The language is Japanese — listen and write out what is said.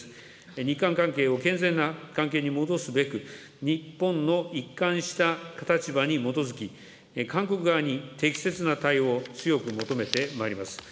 日韓関係を健全な関係に戻すべく、日本の一貫した立場に基づき、韓国側に適切な対応を強く求めてまいります。